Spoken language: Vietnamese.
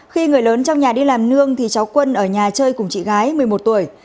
khi người lớn trong nhà đi làm nương thì cháu quân ở nhà chơi cùng chị gái một mươi một tuổi